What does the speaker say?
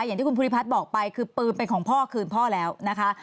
อย่างที่คุณภูริพัฒน์บอกไปคือปืนเป็นของพ่อคืนพ่อแล้วนะคะ